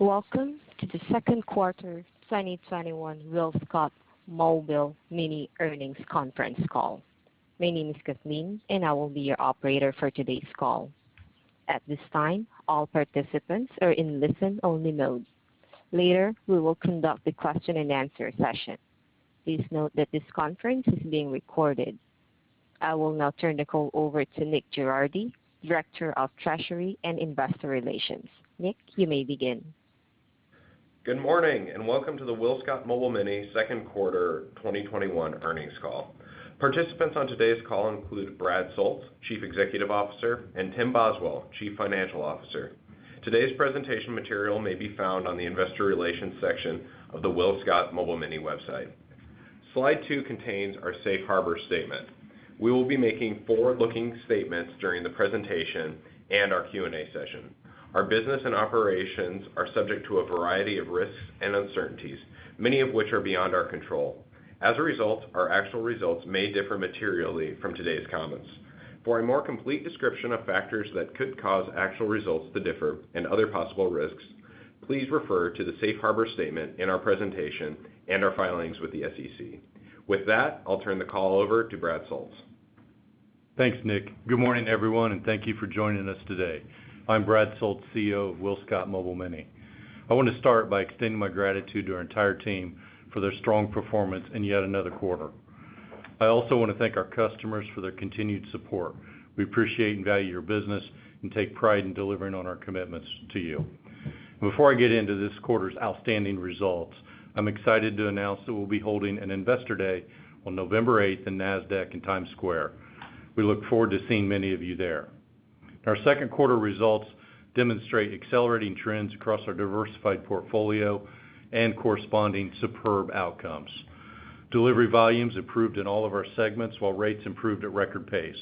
Welcome to the second quarter 2021 WillScot Mobile Mini earnings conference call. My name is Kathleen, and I will be your operator for today's call. At this time, all participants are in listen-only mode. Later, we will conduct a question and answer session. Please note that this conference is being recorded. I will now turn the call over to Nick Girardi, Director of Treasury and Investor Relations. Nick, you may begin. Good morning, and welcome to the WillScot Mobile Mini second quarter 2021 earnings call. Participants on today's call include Brad Soultz, Chief Executive Officer, and Tim Boswell, Chief Financial Officer. Today's presentation material may be found on the investor relations section of the WillScot Mobile Mini website. Slide slide contains our safe harbor statement. We will be making forward-looking statements during the presentation and our Q&A session. Our business and operations are subject to a variety of risks and uncertainties, many of which are beyond our control. As a result, our actual results may differ materially from today's comments. For a more complete description of factors that could cause actual results to differ and other possible risks, please refer to the safe harbor statement in our presentation and our filings with the SEC. With that, I'll turn the call over to Brad Soultz. Thanks, Nick. Good morning, everyone, and thank you for joining us today. I'm Brad Soultz, CEO of WillScot Mobile Mini. I want to start by extending my gratitude to our entire team for their strong performance in yet another quarter. I also want to thank our customers for their continued support. We appreciate and value your business and take pride in delivering on our commitments to you. Before I get into this quarter's outstanding results, I'm excited to announce that we'll be holding an investor day on November 8th in Nasdaq in Times Square. We look forward to seeing many of you there. Our second quarter results demonstrate accelerating trends across our diversified portfolio and corresponding superb outcomes. Delivery volumes improved in all of our segments, while rates improved at record pace.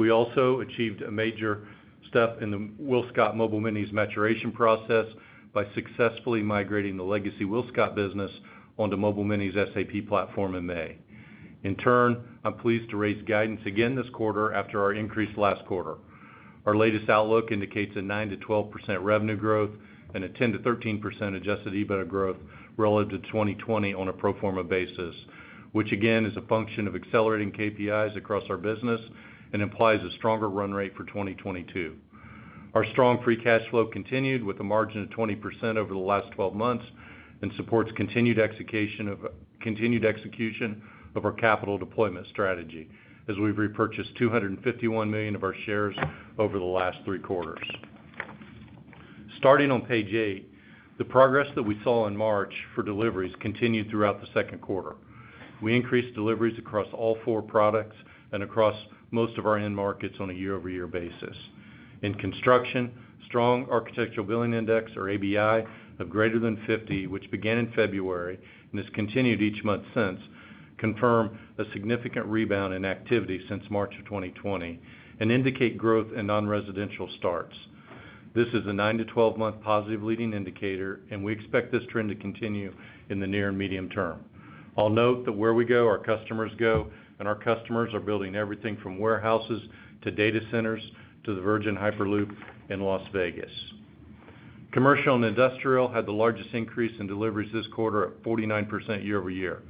We also achieved a major step in the WillScot Mobile Mini's maturation process by successfully migrating the legacy WillScot business onto Mobile Mini's SAP platform in May. In turn, I'm pleased to raise guidance again this quarter after our increase last quarter. Our latest outlook indicates a 9%-12% revenue growth and a 10%-13% adjusted EBITDA growth relative to 2020 on a pro forma basis. Again, is a function of accelerating KPIs across our business and implies a stronger run rate for 2022. Our strong free cash flow continued with a margin of 20% over the last 12 months and supports continued execution of our capital deployment strategy, as we've repurchased $251 million of our shares over the last three quarters. Starting on page eight, the progress that we saw in March for deliveries continued throughout the second quarter. We increased deliveries across all four products and across most of our end markets on a year-over-year basis. In construction, strong Architecture Billings Index, or ABI, of greater than 50, which began in February and has continued each month since, confirm a significant rebound in activity since March of 2020 and indicate growth in non-residential starts. This is a 9 to 12-month positive leading indicator, and we expect this trend to continue in the near and medium term. I'll note that where we go, our customers go, and our customers are building everything from warehouses to data centers to the Virgin Hyperloop in Las Vegas. Commercial and industrial had the largest increase in deliveries this quarter at 49% year-over-year.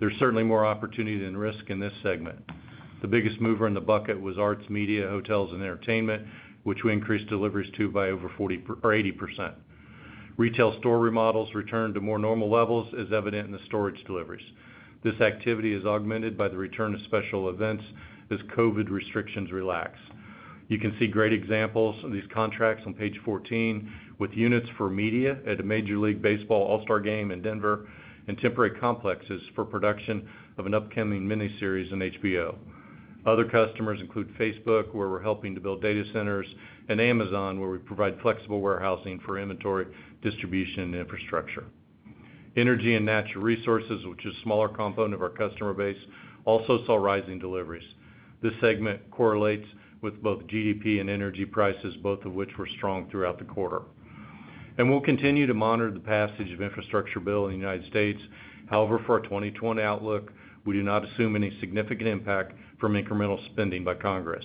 There's certainly more opportunity than risk in this segment. The biggest mover in the bucket was arts, media, hotels, and entertainment, which we increased deliveries to by over 80%. Retail store remodels returned to more normal levels, as evident in the storage deliveries. This activity is augmented by the return of special events as COVID restrictions relax. You can see great examples of these contracts on page 14 with units for media at a Major League Baseball All-Star Game in Denver and temporary complexes for production of an upcoming mini-series on HBO. Other customers include Facebook, where we're helping to build data centers, and Amazon, where we provide flexible warehousing for inventory distribution and infrastructure. Energy and natural resources, which is a smaller component of our customer base, also saw rising deliveries. This segment correlates with both GDP and energy prices, both of which were strong throughout the quarter. We'll continue to monitor the passage of infrastructure bill in the United States. However, for our 2020 outlook, we do not assume any significant impact from incremental spending by Congress.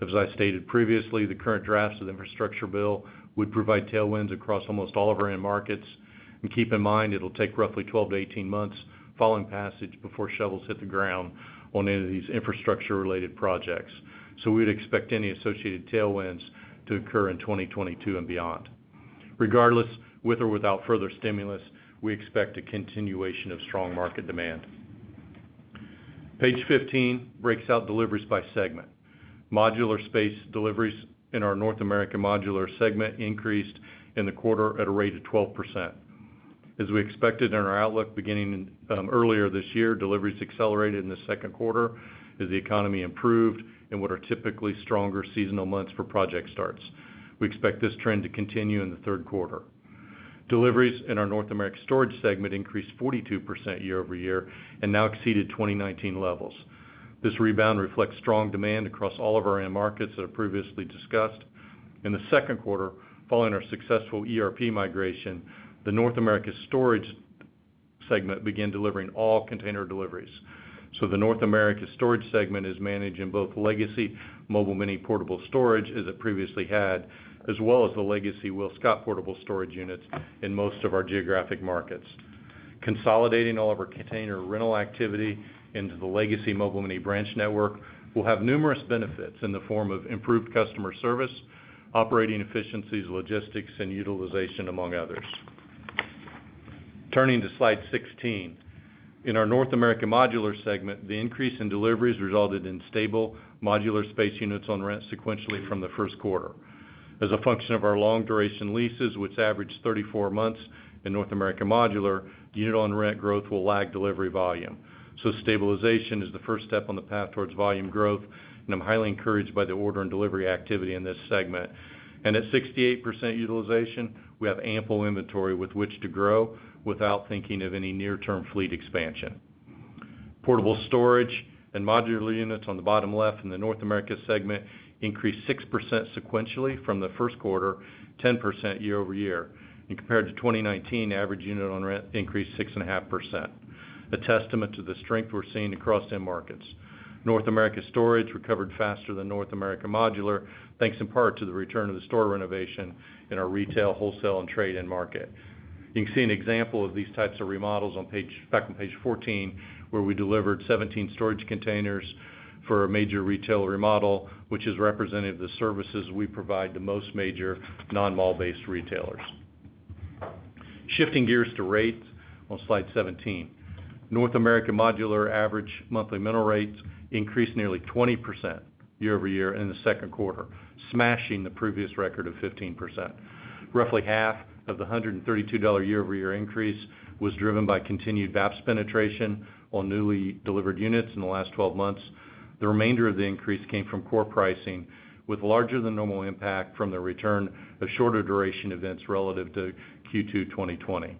As I stated previously, the current drafts of the infrastructure bill would provide tailwinds across almost all of our end markets. Keep in mind, it'll take roughly 12 to 18 months following passage before shovels hit the ground on any of these infrastructure-related projects. We'd expect any associated tailwinds to occur in 2022 and beyond. Regardless, with or without further stimulus, we expect a continuation of strong market demand. Page 15 breaks out deliveries by segment. Modular space deliveries in our North America Modular segment increased in the quarter at a rate of 12%. As we expected in our outlook beginning earlier this year, deliveries accelerated in the second quarter as the economy improved in what are typically stronger seasonal months for project starts. We expect this trend to continue in the third quarter. Deliveries in our North America Storage segment increased 42% year over year and now exceeded 2019 levels. This rebound reflects strong demand across all of our end markets that are previously discussed. In the second quarter, following our successful ERP migration, the North America Storage segment began delivering all container deliveries. The North America Storage segment is managed in both legacy Mobile Mini portable storage, as it previously had, as well as the legacy WillScot portable storage units in most of our geographic markets. Consolidating all of our container rental activity into the legacy Mobile Mini branch network will have numerous benefits in the form of improved customer service, operating efficiencies, logistics, and utilization, among others. Turning to slide 16. In our North America Modular segment, the increase in deliveries resulted in stable modular space units on rent sequentially from the first quarter. As a function of our long-duration leases, which average 34 months in North America Modular, unit on rent growth will lag delivery volume. Stabilization is the first step on the path towards volume growth, and I'm highly encouraged by the order and delivery activity in this segment. At 68% utilization, we have ample inventory with which to grow without thinking of any near-term fleet expansion. Portable storage and modular units on the bottom left in the North America segment increased 6% sequentially from the first quarter, 10% year-over-year. Compared to 2019, average unit on rent increased 6.5%, a testament to the strength we're seeing across end markets. North America Storage recovered faster than North America Modular, thanks in part to the return of the store renovation in our retail, wholesale, and trade end market. You can see an example of these types of remodels back on page 14, where we delivered 17 storage containers for a major retail remodel, which is representative of the services we provide to most major non-mall-based retailers. Shifting gears to rates on slide 17. North America Modular average monthly rental rates increased nearly 20% year-over-year in the second quarter, smashing the previous record of 15%. Roughly half of the $132 year-over-year increase was driven by continued VAPS penetration on newly delivered units in the last 12 months. The remainder of the increase came from core pricing, with larger than normal impact from the return of shorter duration events relative to Q2 2020.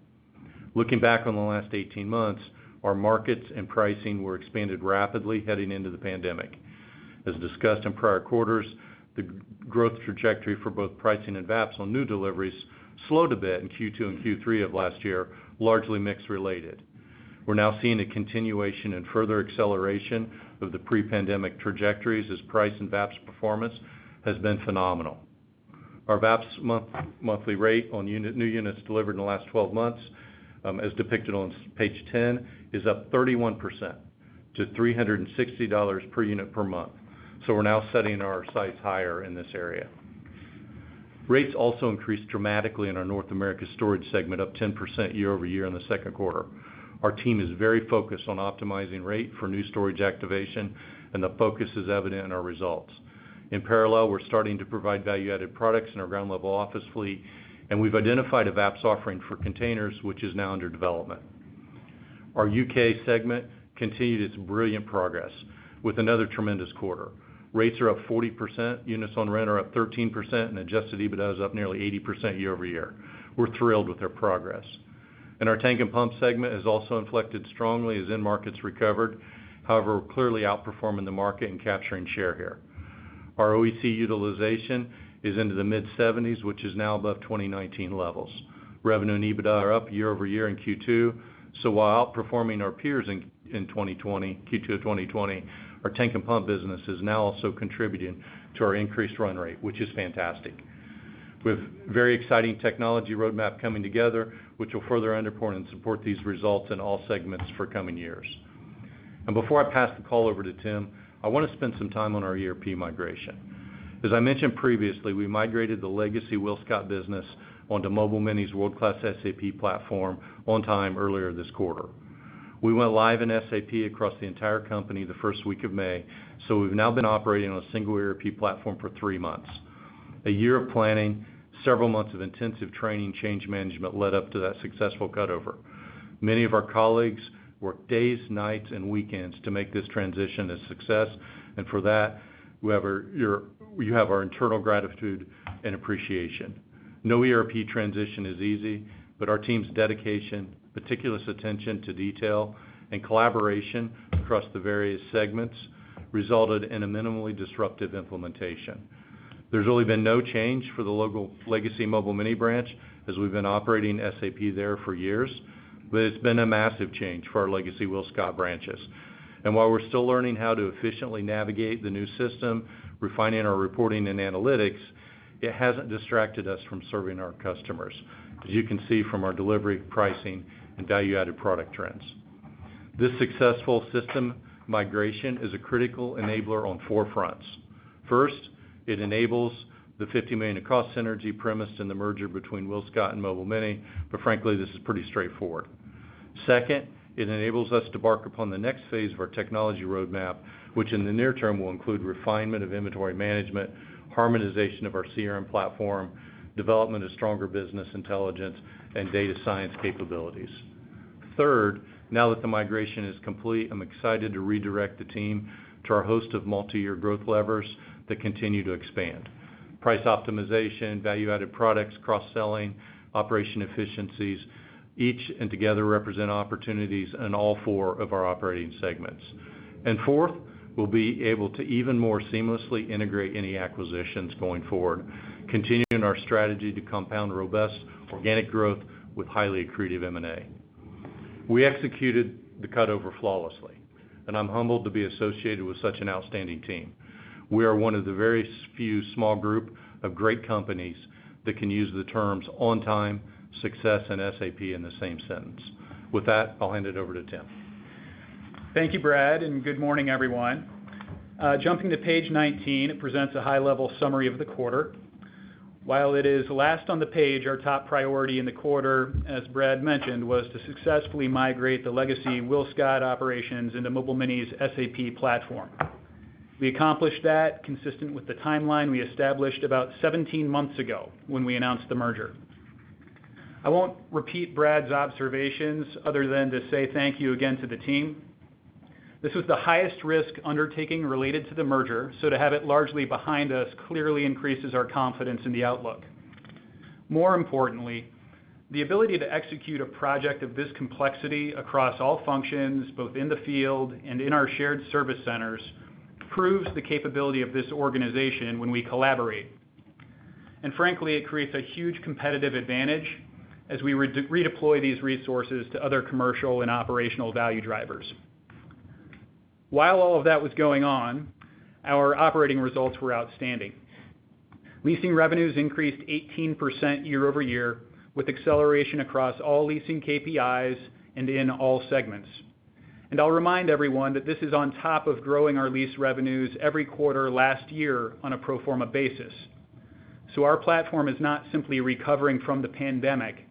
Looking back on the last 18 months, our markets and pricing were expanded rapidly heading into the pandemic. As discussed in prior quarters, the growth trajectory for both pricing and VAPS on new deliveries slowed a bit in Q2 and Q3 of last year, largely mix related. We're now seeing a continuation and further acceleration of the pre-pandemic trajectories as price and VAPS performance has been phenomenal. Our VAPS monthly rate on new units delivered in the last 12 months, as depicted on page 10, is up 31% to $360 per unit per month. We're now setting our sights higher in this area. Rates also increased dramatically in our North America Storage segment, up 10% year-over-year in the second quarter. Our team is very focused on optimizing rate for new storage activation, and the focus is evident in our results. In parallel, we're starting to provide value-added products in our Ground Level Offices fleet, and we've identified a VAPS offering for containers, which is now under development. Our U.K. segment continued its brilliant progress with another tremendous quarter. Rates are up 40%, units on rent are up 13%, and adjusted EBITDA is up nearly 80% year-over-year. We're thrilled with their progress. Our tank and pump segment has also inflected strongly as end markets recovered. However, we're clearly outperforming the market and capturing share here. Our OEC utilization is into the mid-70s, which is now above 2019 levels. Revenue and EBITDA are up year-over-year in Q2. While outperforming our peers in Q2 2020, our tank and pump business is now also contributing to our increased run rate, which is fantastic. With very exciting technology roadmap coming together, which will further underpin and support these results in all segments for coming years. Before I pass the call over to Tim, I want to spend some time on our ERP migration. As I mentioned previously, we migrated the legacy WillScot business onto Mobile Mini's world-class SAP platform on time earlier this quarter. We went live in SAP across the entire company the first week of May, so we've now been operating on a single ERP platform for three months. One year of planning, several months of intensive training, change management led up to that successful cut-over. Many of our colleagues worked days, nights, and weekends to make this transition a success. For that, you have our internal gratitude and appreciation. No ERP transition is easy. Our team's dedication, meticulous attention to detail, and collaboration across the various segments resulted in a minimally disruptive implementation. There's really been no change for the legacy Mobile Mini branch, as we've been operating SAP there for years. It's been a massive change for our legacy WillScot branches. While we're still learning how to efficiently navigate the new system, refining our reporting and analytics, it hasn't distracted us from serving our customers, as you can see from our delivery, pricing, and value-added product trends. This successful system migration is a critical enabler on four fronts. First, it enables the $50 million of cost synergy premised in the merger between WillScot and Mobile Mini. Frankly, this is pretty straightforward. Second, it enables us to embark upon the next phase of our technology roadmap, which in the near term will include refinement of inventory management, harmonization of our CRM platform, development of stronger business intelligence, and data science capabilities. Third, now that the migration is complete, I'm excited to redirect the team to our host of multi-year growth levers that continue to expand. Price optimization, value-added products, cross-selling, operation efficiencies, each and together represent opportunities in all four of our operating segments. Fourth, we'll be able to even more seamlessly integrate any acquisitions going forward, continuing our strategy to compound robust organic growth with highly accretive M&A. We executed the cutover flawlessly, and I'm humbled to be associated with such an outstanding team. We are one of the very few small group of great companies that can use the terms on time, success, and SAP in the same sentence. With that, I'll hand it over to Tim. Thank you, Brad, and good morning, everyone. Jumping to page 19, it presents a high-level summary of the quarter. While it is last on the page, our top priority in the quarter, as Brad mentioned, was to successfully migrate the legacy WillScot operations into Mobile Mini's SAP platform. We accomplished that consistent with the timeline we established about 17 months ago when we announced the merger. I won't repeat Brad's observations other than to say thank you again to the team. This was the highest risk undertaking related to the merger, so to have it largely behind us clearly increases our confidence in the outlook. More importantly, the ability to execute a project of this complexity across all functions, both in the field and in our shared service centers, proves the capability of this organization when we collaborate. Frankly, it creates a huge competitive advantage as we redeploy these resources to other commercial and operational value drivers. While all of that was going on, our operating results were outstanding. Leasing revenues increased 18% year-over-year, with acceleration across all leasing KPIs and in all segments. I'll remind everyone that this is on top of growing our lease revenues every quarter last year on a pro forma basis. Our platform is not simply recovering from the pandemic,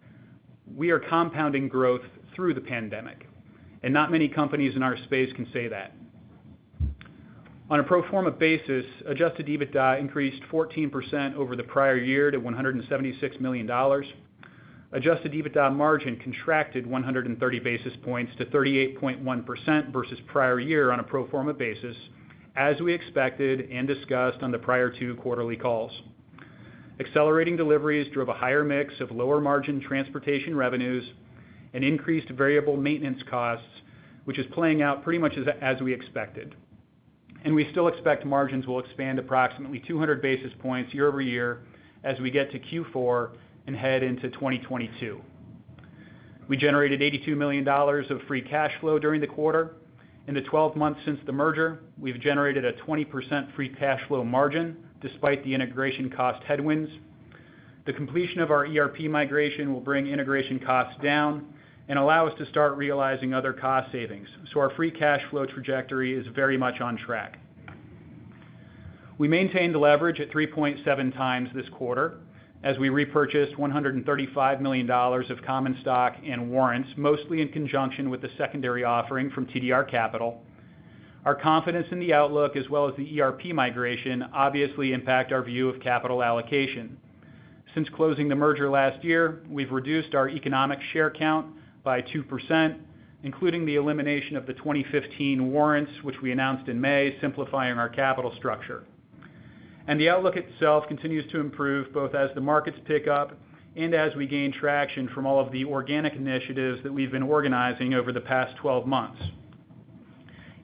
we are compounding growth through the pandemic, and not many companies in our space can say that. On a pro forma basis, adjusted EBITDA increased 14% over the prior year to $176 million. Adjusted EBITDA margin contracted 130 basis points to 38.1% versus prior year on a pro forma basis, as we expected and discussed on the prior two quarterly calls. Accelerating deliveries drove a higher mix of lower-margin transportation revenues and increased variable maintenance costs, which is playing out pretty much as we expected. We still expect margins will expand approximately 200 basis points year-over-year as we get to Q4 and head into 2022. We generated $82 million of free cash flow during the quarter. In the 12 months since the merger, we've generated a 20% free cash flow margin despite the integration cost headwinds. The completion of our ERP migration will bring integration costs down and allow us to start realizing other cost savings. Our free cash flow trajectory is very much on track. We maintained leverage at 3.7x this quarter as we repurchased $135 million of common stock and warrants, mostly in conjunction with the secondary offering from TDR Capital. Our confidence in the outlook as well as the ERP migration obviously impact our view of capital allocation. Since closing the merger last year, we've reduced our economic share count by 2%, including the elimination of the 2015 warrants, which we announced in May, simplifying our capital structure. The outlook itself continues to improve both as the markets pick up and as we gain traction from all of the organic initiatives that we've been organizing over the past 12 months.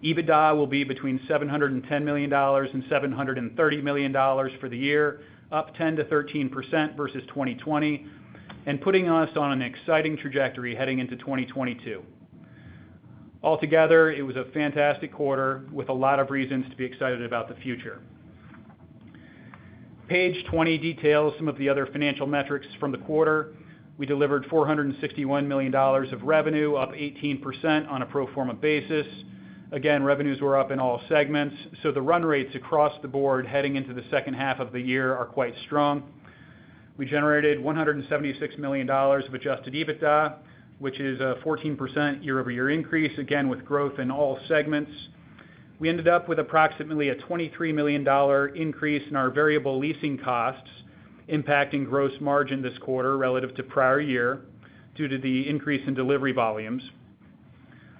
EBITDA will be between $710 million and $730 million for the year, up 10%-13% versus 2020, and putting us on an exciting trajectory heading into 2022. Altogether, it was a fantastic quarter with a lot of reasons to be excited about the future. Page 20 details some of the other financial metrics from the quarter. We delivered $461 million of revenue, up 18% on a pro forma basis. Again, revenues were up in all segments. The run rates across the board heading into the second half of the year are quite strong. We generated $176 million of adjusted EBITDA, which is a 14% year-over-year increase, again with growth in all segments. We ended up with approximately a $23 million increase in our variable leasing costs impacting gross margin this quarter relative to prior year due to the increase in delivery volumes.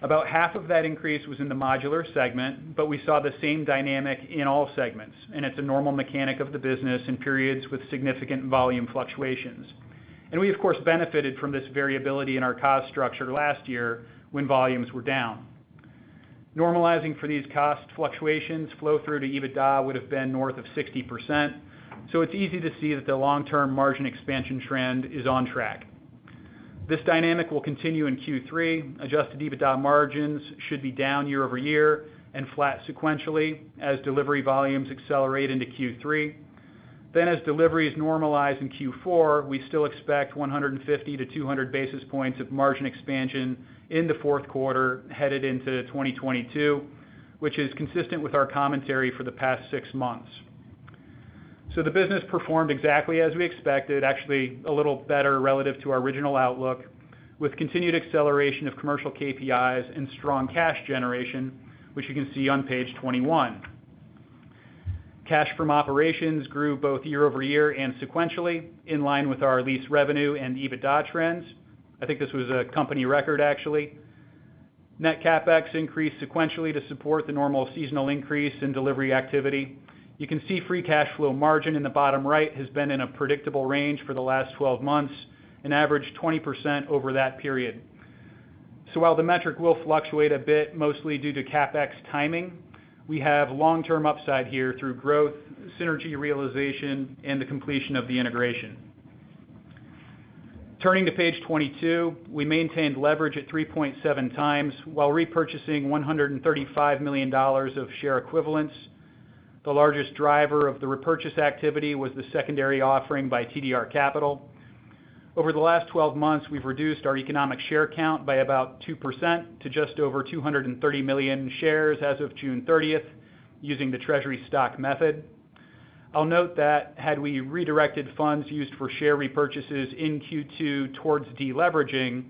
About half of that increase was in the modular segment, but we saw the same dynamic in all segments, and it's a normal mechanic of the business in periods with significant volume fluctuations. We, of course, benefited from this variability in our cost structure last year when volumes were down. Normalizing for these cost fluctuations flow through to EBITDA would have been north of 60%, so it's easy to see that the long-term margin expansion trend is on track. This dynamic will continue in Q3. Adjusted EBITDA margins should be down year-over-year and flat sequentially as delivery volumes accelerate into Q3. As deliveries normalize in Q4, we still expect 150 to 200 basis points of margin expansion in the fourth quarter headed into 2022, which is consistent with our commentary for the past six months. The business performed exactly as we expected, actually a little better relative to our original outlook, with continued acceleration of commercial KPIs and strong cash generation, which you can see on page 21. Cash from operations grew both year-over-year and sequentially in line with our lease revenue and EBITDA trends. I think this was a company record, actually. Net CapEx increased sequentially to support the normal seasonal increase in delivery activity. You can see free cash flow margin in the bottom right has been in a predictable range for the last 12 months and averaged 20% over that period. While the metric will fluctuate a bit, mostly due to CapEx timing, we have long-term upside here through growth, synergy realization, and the completion of the integration. Turning to page 22, we maintained leverage at 3.7x while repurchasing $135 million of share equivalents. The largest driver of the repurchase activity was the secondary offering by TDR Capital. Over the last 12 months, we've reduced our economic share count by about 2% to just over 230 million shares as of June 30th, using the treasury stock method. I'll note that had we redirected funds used for share repurchases in Q2 towards deleveraging,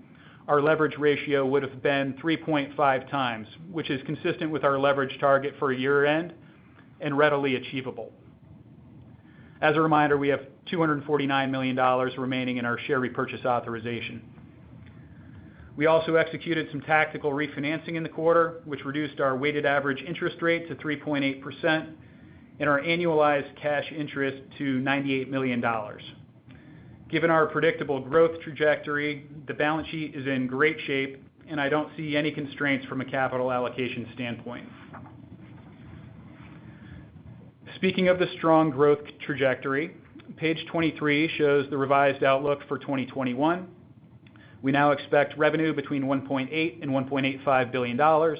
our leverage ratio would've been 3.5x, which is consistent with our leverage target for year-end, and readily achievable. As a reminder, we have $249 million remaining in our share repurchase authorization. We also executed some tactical refinancing in the quarter, which reduced our weighted average interest rate to 3.8%, and our annualized cash interest to $98 million. Given our predictable growth trajectory, the balance sheet is in great shape, and I don't see any constraints from a capital allocation standpoint. Speaking of the strong growth trajectory, page 23 shows the revised outlook for 2021. We now expect revenue between $1.8 billion and $1.85 billion,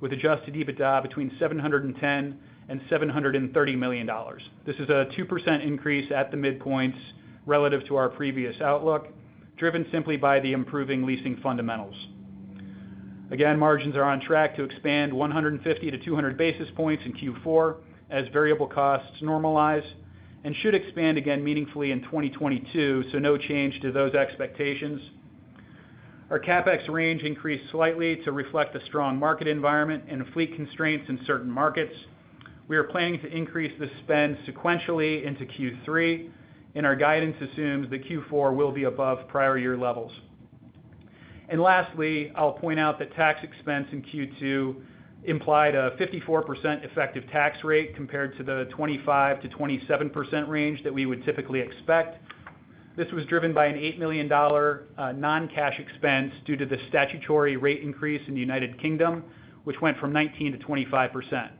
with adjusted EBITDA between $710 million and $730 million. This is a 2% increase at the midpoints relative to our previous outlook, driven simply by the improving leasing fundamentals. Again, margins are on track to expand 150-200 basis points in Q4 as variable costs normalize and should expand again meaningfully in 2022, so no change to those expectations. Our CapEx range increased slightly to reflect the strong market environment and fleet constraints in certain markets. We are planning to increase the spend sequentially into Q3, and our guidance assumes that Q4 will be above prior year levels. Lastly, I'll point out that tax expense in Q2 implied a 54% effective tax rate compared to the 25%-27% range that we would typically expect. This was driven by an $8 million non-cash expense due to the statutory rate increase in the United Kingdom, which went from 19%-25%.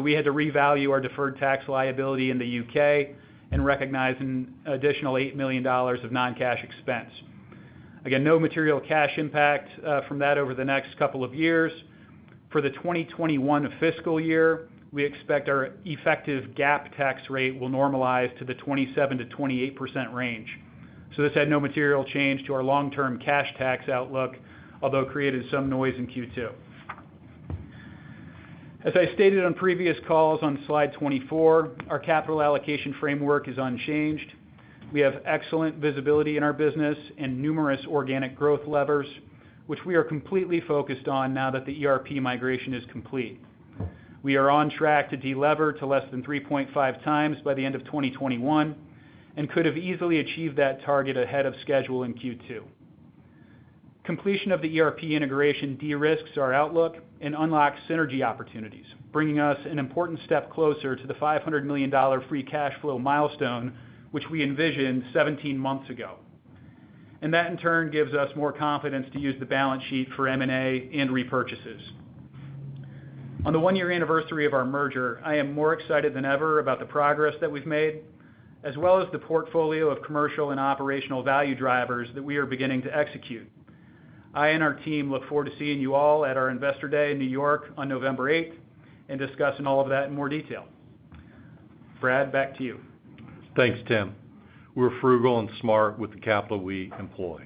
We had to revalue our deferred tax liability in the U.K. and recognize an additional $8 million of non-cash expense. Again, no material cash impact from that over the next couple of years. For the 2021 fiscal year, we expect our effective GAAP tax rate will normalize to the 27%-28% range. This had no material change to our long-term cash tax outlook, although it created some noise in Q2. As I stated on previous calls on slide 24, our capital allocation framework is unchanged. We have excellent visibility in our business and numerous organic growth levers, which we are completely focused on now that the ERP migration is complete. We are on track to de-lever to less than 3.5x by the end of 2021 and could've easily achieved that target ahead of schedule in Q2. Completion of the ERP integration de-risks our outlook and unlocks synergy opportunities, bringing us an important step closer to the $500 million free cash flow milestone, which we envisioned 17 months ago. That, in turn, gives us more confidence to use the balance sheet for M&A and repurchases. On the one-year anniversary of our merger, I am more excited than ever about the progress that we've made, as well as the portfolio of commercial and operational value drivers that we are beginning to execute. I and our team look forward to seeing you all at our Investor Day in New York on November 8th and discussing all of that in more detail. Brad, back to you. Thanks, Tim. We're frugal and smart with the capital we employ.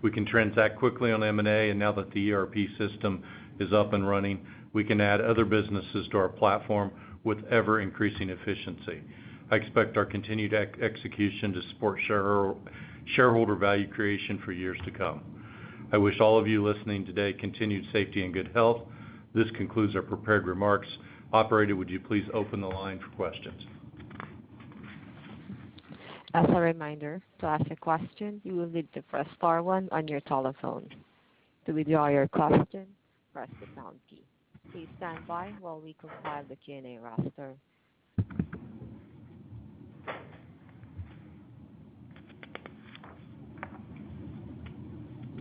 We can transact quickly on M&A. Now that the ERP system is up and running, we can add other businesses to our platform with ever-increasing efficiency. I expect our continued execution to support shareholder value creation for years to come. I wish all of you listening today continued safety and good health. This concludes our prepared remarks. Operator, would you please open the line for questions? As a reminder, to ask a question, you will need to press star one on your telephone. To withdraw your question, press the pound key. Please stand by while we compile the Q&A roster.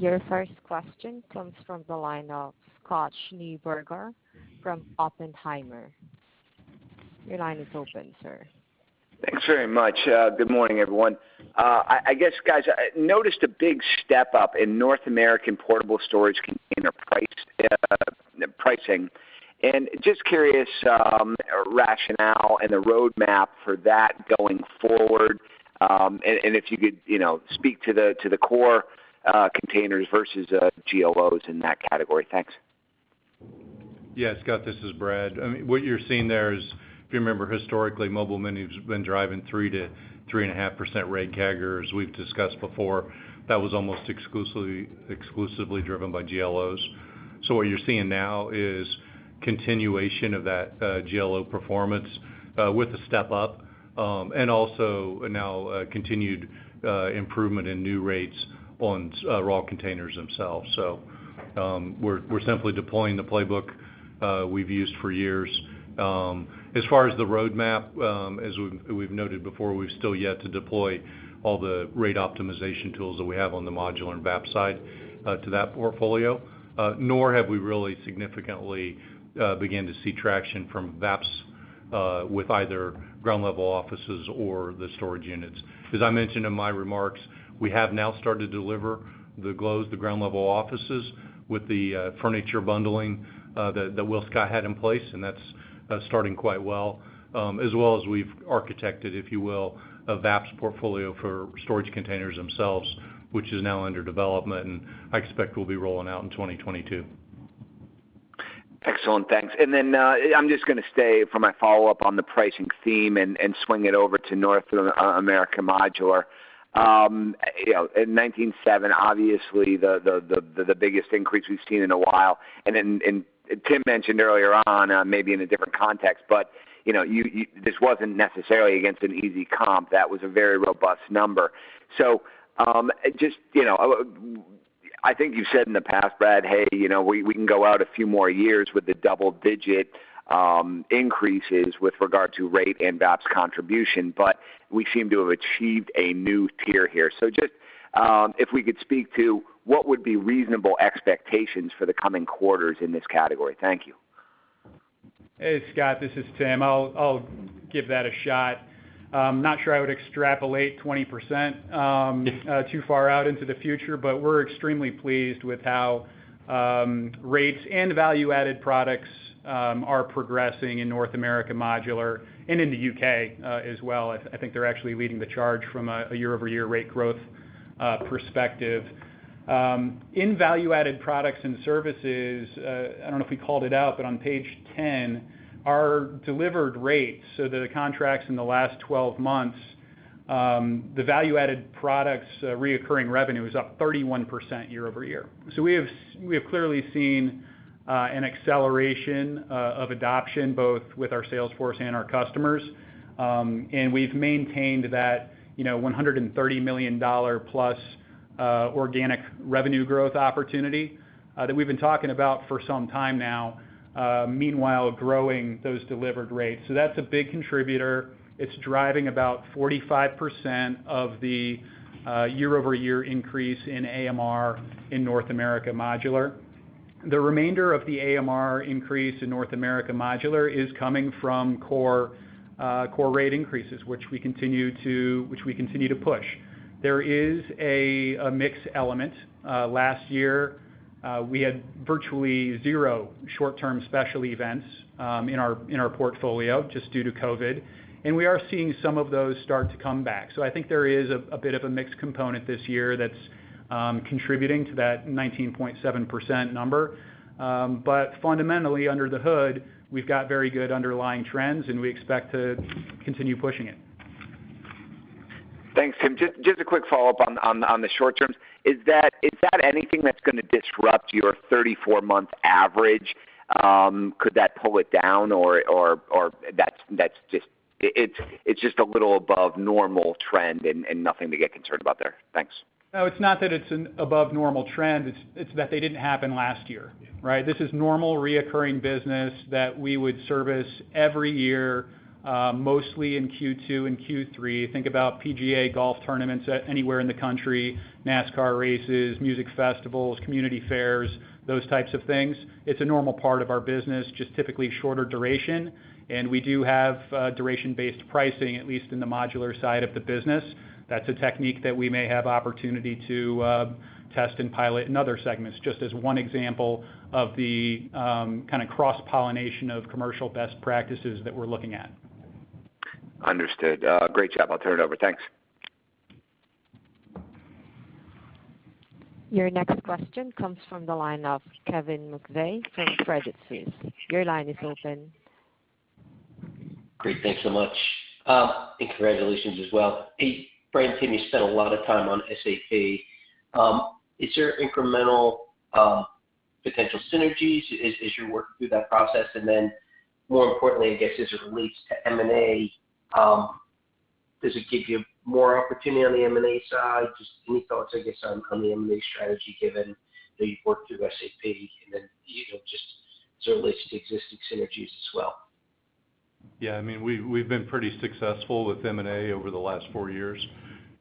Your first question comes from the line of Scott Schneeberger from Oppenheimer. Your line is open, sir. Thanks very much. Good morning, everyone. I guess, guys, I noticed a big step-up in North American portable storage container pricing. Just curious, rationale and the roadmap for that going forward. If you could speak to the core containers versus GLOs in that category. Thanks. Yeah, Scott, this is Brad. What you're seeing there is, if you remember historically, Mobile Mini has been driving 3%-3.5% rate CAGRs. We've discussed before, that was almost exclusively driven by GLOs. What you're seeing now is continuation of that GLO performance with a step-up and also now continued improvement in new rates on raw containers themselves. We're simply deploying the playbook we've used for years. As far as the roadmap, as we've noted before, we've still yet to deploy all the rate optimization tools that we have on the modular and VAPS side to that portfolio. Nor have we really significantly began to see traction from VAPS with either Ground Level Offices or the storage units. As I mentioned in my remarks, we have now started to deliver the GLOs, the Ground Level Offices, with the furniture bundling that WillScot had in place, and that's starting quite well. As well as we've architected, if you will, a VAPS portfolio for storage containers themselves, which is now under development, and I expect will be rolling out in 2022. Excellent. Thanks. Then I'm just going to stay for my follow-up on the pricing theme and swing it over to North America Modular. In 19.7%, obviously the biggest increase we've seen in a while. Tim mentioned earlier on, maybe in a different context, but this wasn't necessarily against an easy comp. That was a very robust number. I think you've said in the past, Brad, hey, we can go out a few more years with the double-digit increases with regard to rate and VAPS contribution, but we seem to have achieved a new tier here. Just if we could speak to what would be reasonable expectations for the coming quarters in this category. Thank you. Hey, Scott, this is Tim. I'll give that a shot. I'm not sure I would extrapolate 20% too far out into the future, but we're extremely pleased with how rates and Value-Added Products are progressing in North America Modular and in the U.K. as well. I think they're actually leading the charge from a year-over-year rate growth perspective. In Value-Added Products and Services, I don't know if we called it out, but on page 10, our delivered rates, so the contracts in the last 12 months, the Value-Added Products reoccurring revenue is up 31% year-over-year. We have clearly seen an acceleration of adoption, both with our sales force and our customers. We've maintained that $130 million-plus organic revenue growth opportunity that we've been talking about for some time now, meanwhile, growing those delivered rates. That's a big contributor. It's driving about 45% of the year-over-year increase in AMR in North America Modular. The remainder of the AMR increase in North America Modular is coming from core rate increases, which we continue to push. There is a mix element. Last year, we had virtually zero short-term special events in our portfolio, just due to COVID, and we are seeing some of those start to come back. I think there is a bit of a mixed component this year that's contributing to that 19.7% number. Fundamentally, under the hood, we've got very good underlying trends, and we expect to continue pushing it. Thanks, Tim. Just a quick follow-up on the short terms. Is that anything that's going to disrupt your 34-month average? Could that pull it down, or it's just a little above normal trend and nothing to get concerned about there? Thanks. No, it's not that it's an above normal trend, it's that they didn't happen last year. This is normal recurring business that we would service every year, mostly in Q2 and Q3. Think about PGA golf tournaments anywhere in the country, NASCAR races, music festivals, community fairs, those types of things. It's a normal part of our business, just typically shorter duration, and we do have duration-based pricing, at least in the modular side of the business. That's a technique that we may have opportunity to test and pilot in other segments, just as one example of the kind of cross-pollination of commercial best practices that we're looking at. Understood. Great job. I'll turn it over. Thanks. Your next question comes from the line of Kevin McVeigh from Credit Suisse. Your line is open. Great. Thanks so much. Congratulations as well. Hey, Brad and Tim, you spent a lot of time on SAP. Is there incremental potential synergies as you're working through that process? More importantly, I guess, as it relates to M&A, does it give you more opportunity on the M&A side? Just any thoughts, I guess, on the M&A strategy given that you've worked through SAP and then just sort of list existing synergies as well? Yeah. We've been pretty successful with M&A over the last four years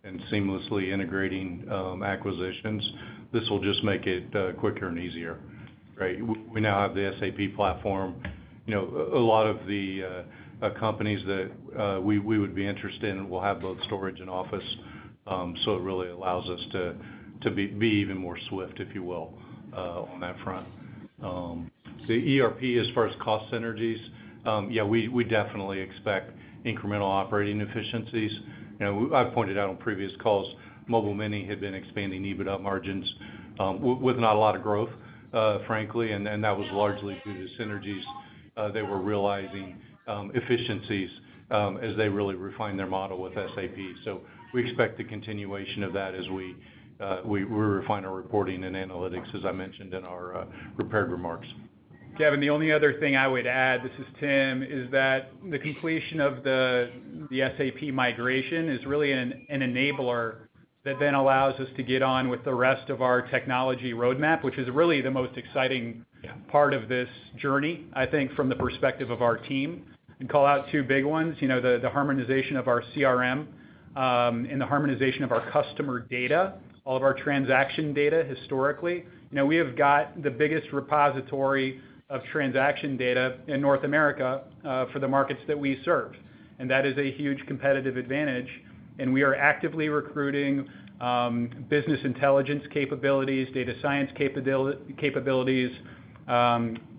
and seamlessly integrating acquisitions. This will just make it quicker and easier. We now have the SAP platform. A lot of the companies that we would be interested in will have both storage and office. It really allows us to be even more swift, if you will, on that front. The ERP as far as cost synergies, yeah, we definitely expect incremental operating efficiencies. I've pointed out on previous calls, Mobile Mini had been expanding EBITDA margins with not a lot of growth, frankly, and that was largely due to synergies. They were realizing efficiencies as they really refined their model with SAP. We expect the continuation of that as we refine our reporting and analytics, as I mentioned in our prepared remarks. Kevin, the only other thing I would add, this is Tim, is that the completion of the SAP migration is really an enabler that then allows us to get on with the rest of our technology roadmap, which is really the most exciting part of this journey, I think, from the perspective of our team. Call out two big ones, the harmonization of our CRM and the harmonization of our customer data, all of our transaction data historically. We have got the biggest repository of transaction data in North America for the markets that we serve, and that is a huge competitive advantage, and we are actively recruiting business intelligence capabilities, data science capabilities,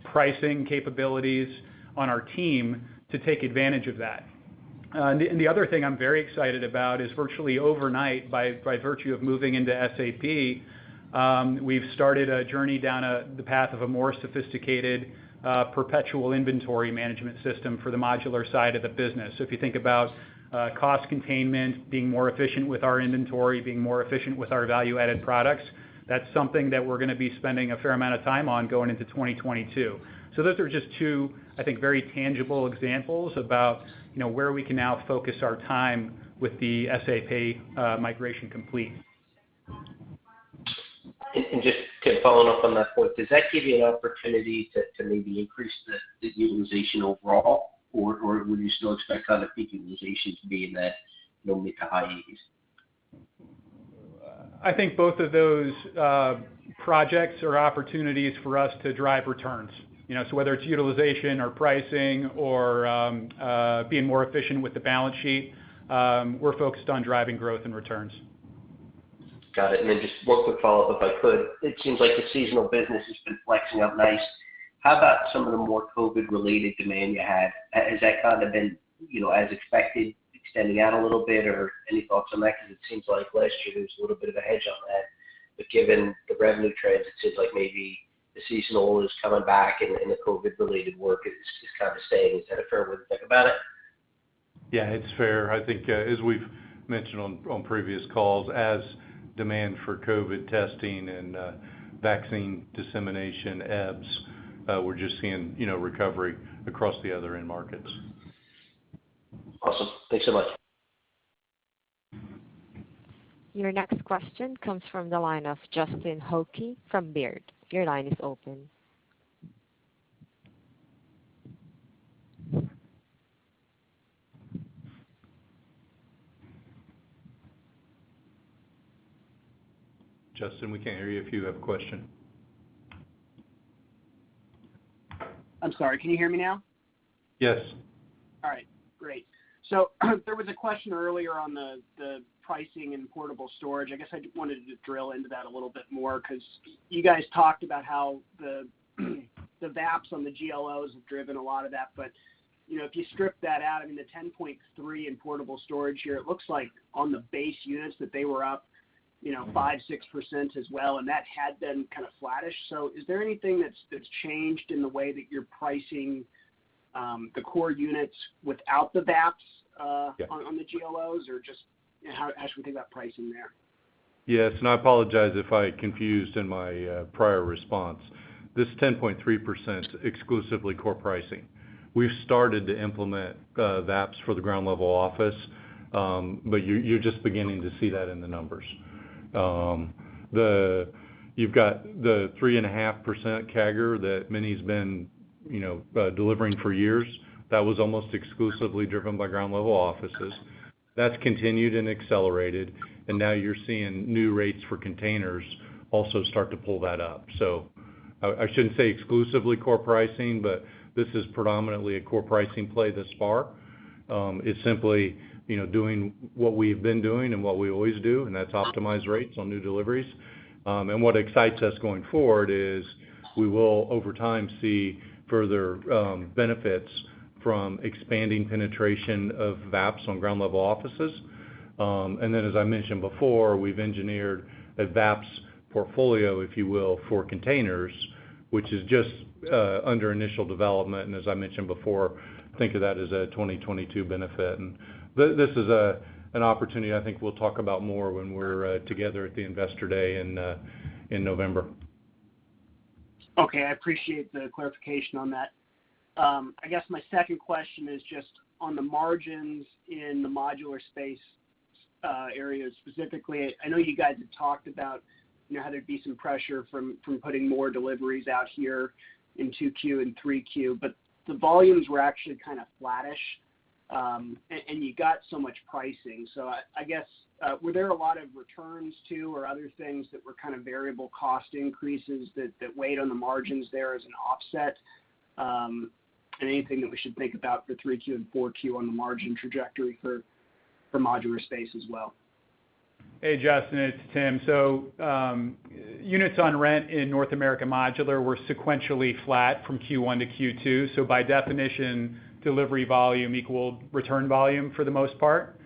pricing capabilities on our team to take advantage of that. The other thing I'm very excited about is virtually overnight, by virtue of moving into SAP, we've started a journey down the path of a more sophisticated, perpetual inventory management system for the modular side of the business. If you think about cost containment, being more efficient with our inventory, being more efficient with our value-added products, that's something that we're going to be spending a fair amount of time on going into 2022. Those are just two, I think, very tangible examples about where we can now focus our time with the SAP migration complete. Just to follow up on that point, does that give you an opportunity to maybe increase the utilization overall? Or would you still expect kind of peak utilization to be in that normally high years? I think both of those projects are opportunities for us to drive returns. Whether it's utilization or pricing or being more efficient with the balance sheet, we're focused on driving growth and returns. Got it. Just one quick follow-up, if I could. It seems like the seasonal business has been flexing up nice. How about some of the more COVID-related demand you had? Has that kind of been as expected, extending out a little bit, or any thoughts on that? It seems like last year there was a little bit of a hedge on that. Given the revenue trends, it seems like maybe the seasonal is coming back and the COVID-related work is kind of staying. Is that a fair way to think about it? Yeah, it's fair. I think, as we've mentioned on previous calls, as demand for COVID testing and vaccine dissemination ebbs, we're just seeing recovery across the other end markets. Awesome. Thanks so much. Your next question comes from the line of Justin Hauke from Baird. Your line is open. Justin, we can't hear you if you have a question. I'm sorry. Can you hear me now? Yes. All right, great. There was a question earlier on the pricing in portable storage. I guess I just wanted to drill into that a little bit more because you guys talked about how the VAPS on the GLOs have driven a lot of that. If you strip that out, the 10.3 in portable storage here, it looks like on the base units that they were up 5%-6% as well, and that had been kind of flattish. Is there anything that's changed in the way that you're pricing the core units without the VAPS? on the GLOs? Just how should we think about pricing there? Yes, I apologize if I confused in my prior response. This 10.3% is exclusively core pricing. We've started to implement VAPS for the Ground Level Offices, but you're just beginning to see that in the numbers. You've got the 3.5% CAGR that Mini's been delivering for years. That was almost exclusively driven by Ground Level Offices. That's continued and accelerated, and now you're seeing new rates for containers also start to pull that up. I shouldn't say exclusively core pricing, but this is predominantly a core pricing play thus far. It's simply doing what we've been doing and what we always do, and that's optimize rates on new deliveries. What excites us going forward is we will, over time, see further benefits from expanding penetration of VAPS on Ground Level Offices. Then, as I mentioned before, we've engineered a VAPS portfolio, if you will, for containers, which is just under initial development. As I mentioned before, think of that as a 2022 benefit. This is an opportunity I think we'll talk about more when we're together at the investor day in November. Okay. I appreciate the clarification on that. I guess my second question is just on the margins in the modular space areas specifically. I know you guys have talked about how there'd be some pressure from putting more deliveries out here in 2Q and 3Q, but the volumes were actually kind of flattish, and you got so much pricing. I guess, were there a lot of returns too, or other things that were kind of variable cost increases that weighed on the margins there as an offset? Anything that we should think about for 3Q and 4Q on the margin trajectory for modular space as well? Hey, Justin, it's Tim. Units on rent in North America Modular were sequentially flat from Q1 to Q2. By definition, delivery volume equaled return volume for the most part.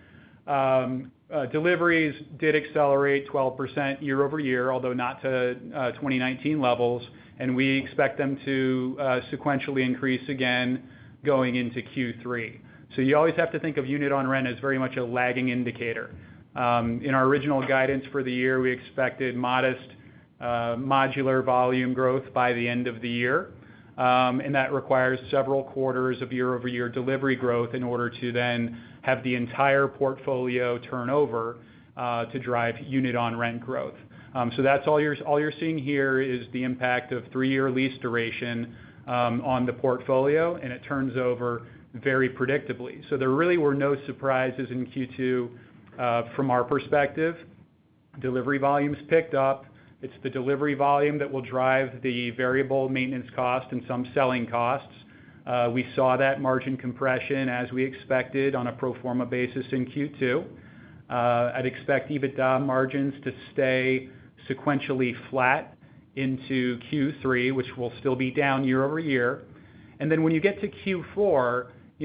Deliveries did accelerate 12% year-over-year, although not to 2019 levels, and we expect them to sequentially increase again going into Q3. You always have to think of unit on rent as very much a lagging indicator. In our original guidance for the year, we expected modest Modular volume growth by the end of the year. That requires several quarters of year-over-year delivery growth in order to then have the entire portfolio turnover to drive unit-on-rent growth. That's all you're seeing here is the impact of three-year lease duration on the portfolio, and it turns over very predictably. There really were no surprises in Q2 from our perspective. Delivery volumes picked up. It's the delivery volume that will drive the variable maintenance cost and some selling costs. We saw that margin compression as we expected on a pro forma basis in Q2. I'd expect EBITDA margins to stay sequentially flat into Q3, which will still be down year-over-year. When you get to Q4,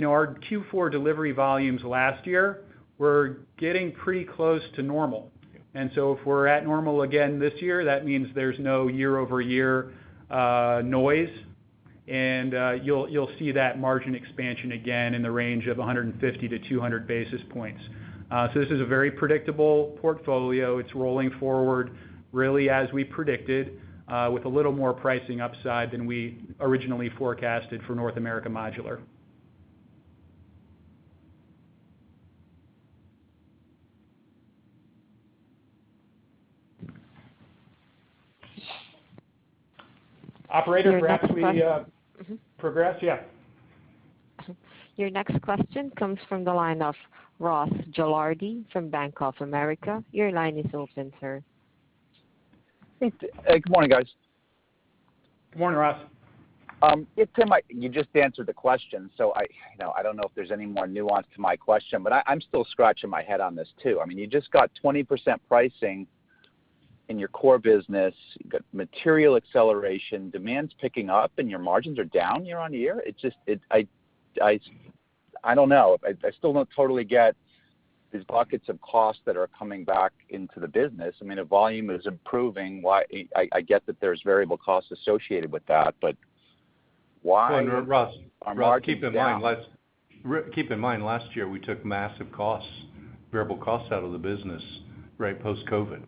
our Q4 delivery volumes last year were getting pretty close to normal. If we're at normal again this year, that means there's no year-over-year noise. You'll see that margin expansion again in the range of 150-200 basis points. This is a very predictable portfolio. It's rolling forward really as we predicted, with a little more pricing upside than we originally forecasted for North America Modular. Operator, perhaps we progress? Yeah. Your next question comes from the line of Ross Gilardi from Bank of America. Your line is open, sir. Good morning, guys. Good morning, Ross. Yeah, Tim, you just answered the question, so I don't know if there's any more nuance to my question, but I'm still scratching my head on this, too. You just got 20% pricing in your core business. You've got material acceleration, demand's picking up, and your margins are down year-over-year. I don't know. I still don't totally get these buckets of costs that are coming back into the business. I mean, the volume is improving. I get that there's variable costs associated with that, but why are margins down? Ross, keep in mind, last year, we took massive costs, variable costs out of the business, right post-COVID.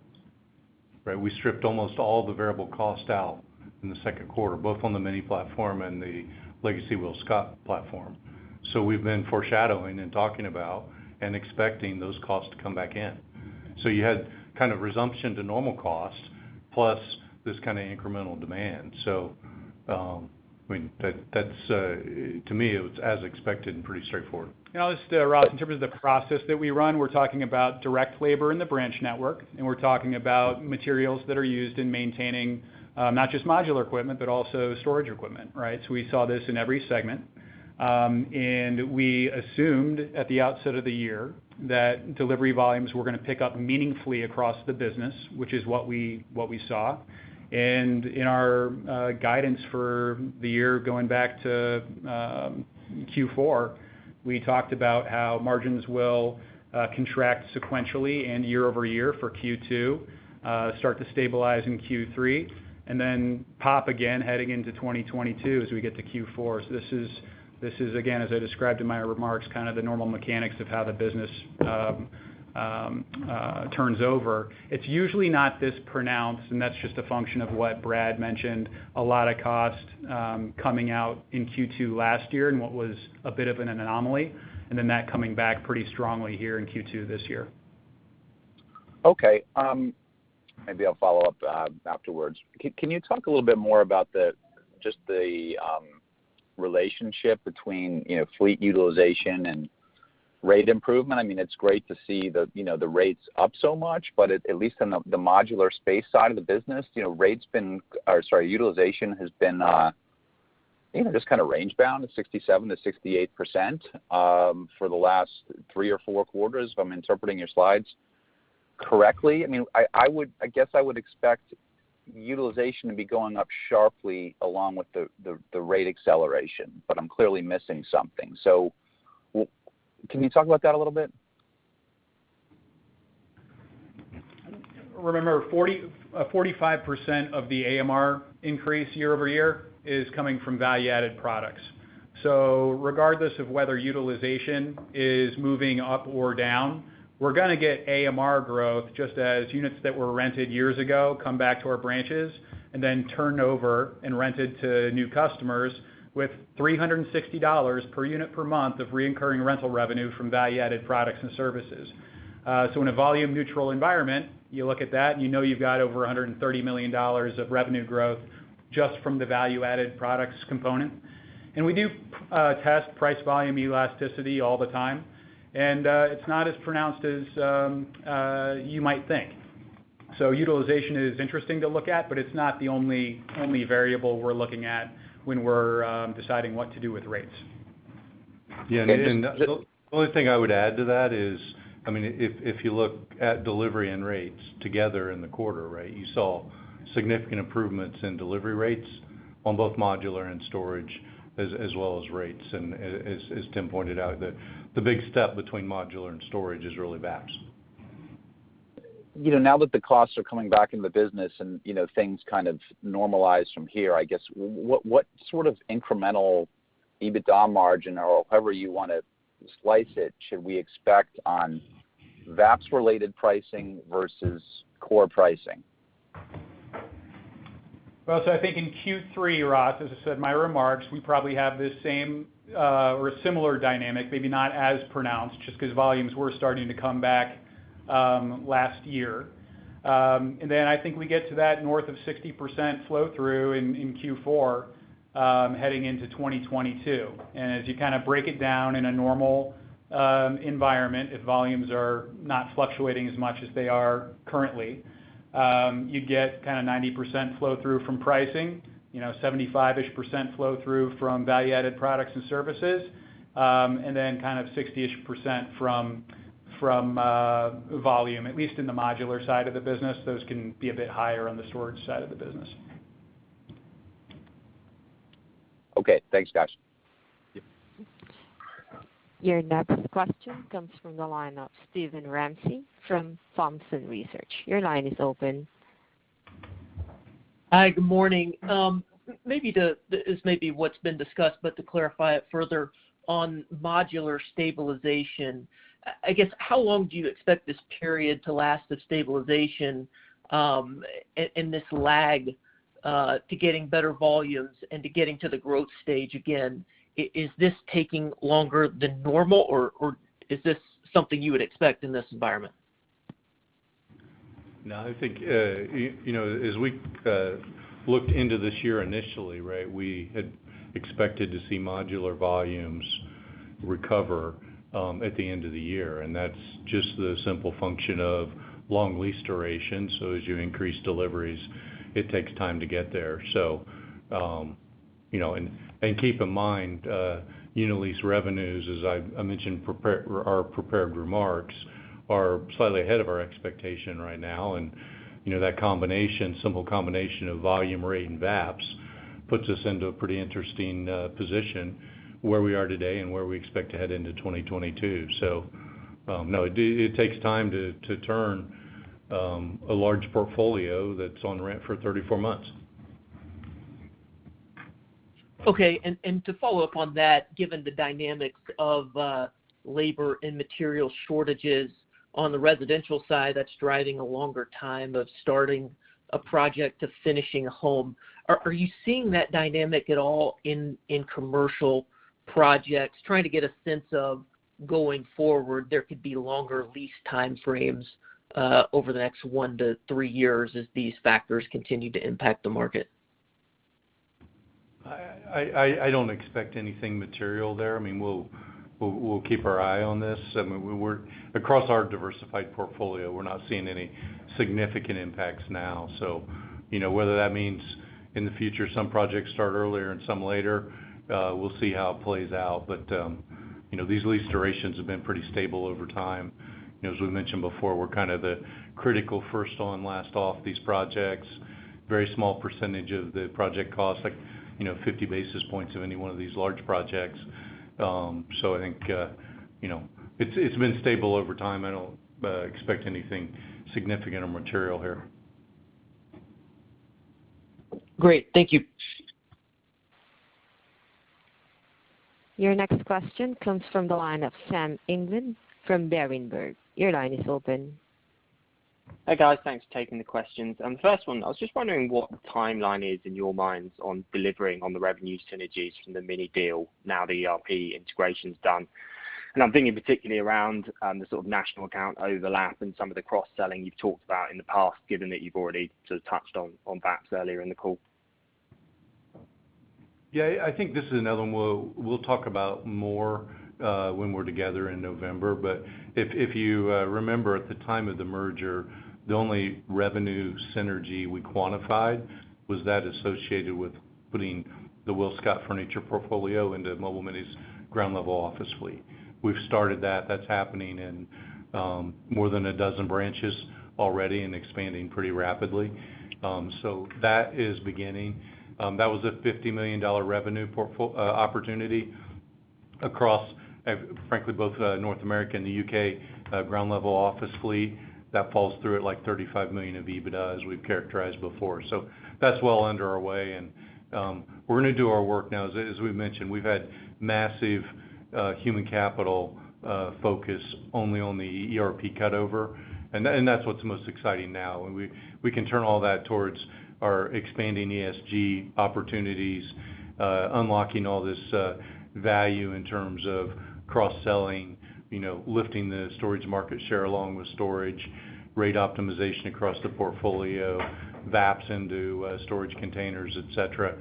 We stripped almost all the variable cost out in the second quarter, both on the mini platform and the legacy WillScot platform. We've been foreshadowing and talking about and expecting those costs to come back in. You had kind of resumption to normal costs plus this kind of incremental demand. To me, it was as expected and pretty straightforward. I'll just add, Ross, in terms of the process that we run, we're talking about direct labor in the branch network, and we're talking about materials that are used in maintaining not just modular equipment, but also storage equipment, right? We saw this in every segment. We assumed at the outset of the year that delivery volumes were going to pick up meaningfully across the business, which is what we saw. In our guidance for the year, going back to Q4, we talked about how margins will contract sequentially and year-over-year for Q2, start to stabilize in Q3, and then pop again heading into 2022 as we get to Q4. This is, again, as I described in my remarks, kind of the normal mechanics of how the business turns over. It's usually not this pronounced, and that's just a function of what Brad mentioned. A lot of cost coming out in Q2 last year and what was a bit of an anomaly, and then that coming back pretty strongly here in Q2 this year. Okay. Maybe I'll follow up afterwards. Can you talk a little bit more about just the relationship between fleet utilization and rate improvement? It's great to see the rates up so much, but at least in the modular space side of the business, utilization has been just kind of range bound at 67%-68% for the last three or four quarters, if I'm interpreting your slides correctly. I guess I would expect utilization to be going up sharply along with the rate acceleration, but I'm clearly missing something. Can you talk about that a little bit? 45% of the AMR increase year-over-year is coming from value-added products. Regardless of whether utilization is moving up or down, we're going to get AMR growth just as units that were rented years ago come back to our branches and then turned over and rented to new customers with $360 per unit per month of recurring rental revenue from value-added products and services. In a volume neutral environment, you look at that and you know you've got over $130 million of revenue growth just from the value-added products component. We do test price volume elasticity all the time, and it's not as pronounced as you might think. Utilization is interesting to look at, it's not the only variable we're looking at when we're deciding what to do with rates. The only thing I would add to that is, if you look at delivery and rates together in the quarter, you saw significant improvements in delivery rates on both modular and storage, as well as rates. As Tim pointed out, the big step between modular and storage is really VAPS. Now that the costs are coming back in the business and things kind of normalize from here, I guess, what sort of incremental EBITDA margin or however you want to slice it, should we expect on VAPS related pricing versus core pricing? I think in Q3, Ross Gilardi, as I said in my remarks, we probably have the same or a similar dynamic, maybe not as pronounced just because volumes were starting to come back last year. I think we get to that north of 60% flow through in Q4, heading into 2022. As you kind of break it down in a normal environment, if volumes are not fluctuating as much as they are currently, you'd get kind of 90% flow through from pricing, 75-ish% flow through from Value-Added Products and Services, and then kind of 60-ish% from volume, at least in the modular side of the business. Those can be a bit higher on the storage side of the business. Okay, thanks, Soultz. Yep. Your next question comes from the line of Steven Ramsey from Thompson Research. Your line is open. Hi, good morning. This may be what's been discussed, but to clarify it further on modular stabilization, I guess, how long do you expect this period to last, of stabilization, and this lag to getting better volumes and to getting to the growth stage again? Is this taking longer than normal, or is this something you would expect in this environment? No, I think, as we looked into this year initially, we had expected to see modular volumes recover at the end of the year. That's just the simple function of long lease duration. As you increase deliveries, it takes time to get there. Keep in mind, unit lease revenues, as I mentioned our prepared remarks, are slightly ahead of our expectation right now. That simple combination of volume rate and VAPS puts us into a pretty interesting position where we are today and where we expect to head into 2022. No, it takes time to turn a large portfolio that's on rent for 34 months. Okay. To follow up on that, given the dynamics of labor and material shortages on the residential side, that's driving a longer time of starting a project to finishing a home, are you seeing that dynamic at all in commercial projects? Trying to get a sense of, going forward, there could be longer lease time frames over the next one to three years as these factors continue to impact the market. I don't expect anything material there. We'll keep our eye on this. Across our diversified portfolio, we're not seeing any significant impacts now. Whether that means in the future some projects start earlier and some later, we'll see how it plays out. These lease durations have been pretty stable over time. As we mentioned before, we're kind of the critical first on, last off these projects. Very small percentage of the project cost, like 50 basis points of any one of these large projects. I think it's been stable over time. I don't expect anything significant or material here. Great. Thank you. Your next question comes from the line of Sam England from Berenberg. Your line is open. Hi, guys. Thanks for taking the questions. First one, I was just wondering what the timeline is in your minds on delivering on the revenue synergies from the Mobile Mini deal now the ERP integration's done. I'm thinking particularly around the sort of national account overlap and some of the cross-selling you've talked about in the past, given that you've already sort of touched on VAPS earlier in the call. Yeah, I think this is another one we'll talk about more when we're together in November. If you remember at the time of the merger, the only revenue synergy we quantified was that associated with putting the WillScot Furniture portfolio into Mobile Mini's Ground Level Offices fleet. We've started that. That's happening in more than 12 branches already and expanding pretty rapidly. That is beginning. That was a $50 million revenue opportunity across, frankly, both North America and the U.K. Ground Level Offices fleet. That falls through at like $35 million of EBITDA, as we've characterized before. That's well under our way. We're going to do our work now. As we've mentioned, we've had massive human capital focus only on the ERP cutover, and that's what's most exciting now. We can turn all that towards our expanding ESG opportunities, unlocking all this value in terms of cross-selling, lifting the storage market share along with storage, rate optimization across the portfolio, VAPS into storage containers, et cetera.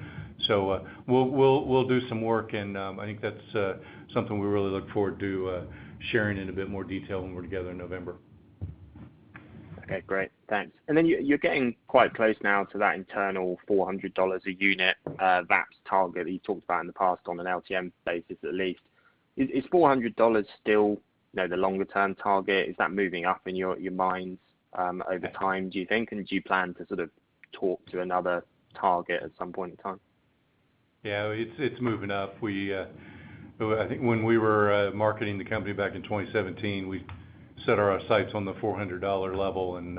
We'll do some work, and I think that's something we really look forward to sharing in a bit more detail when we're together in November. Okay, great. Thanks. You're getting quite close now to that internal $400 a unit VAPS target that you talked about in the past on an LTM basis, at least. Is $400 still the longer-term target? Is that moving up in your minds over time, do you think, do you plan to sort of talk to another target at some point in time? Yeah, it's moving up. I think when we were marketing the company back in 2017, we set our sights on the $400 level, and